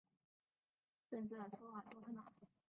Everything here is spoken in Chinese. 镇治索尔多特纳。